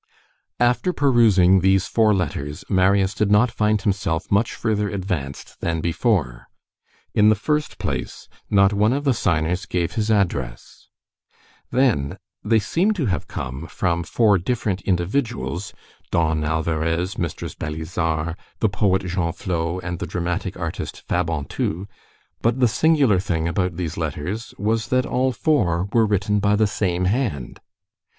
After perusing these four letters, Marius did not find himself much further advanced than before. In the first place, not one of the signers gave his address. Then, they seemed to come from four different individuals, Don Alvarès, Mistress Balizard, the poet Genflot, and dramatic artist Fabantou; but the singular thing about these letters was, that all four were written by the same hand.